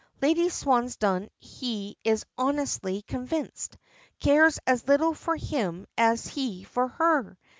Lady Swansdown, he is honestly convinced, cares as little for him as he for her.